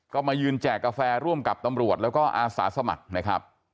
ก็มายืนแจกกาแฟร่วมกับตำรวจแล้วก็อาสาสมัครนะครับ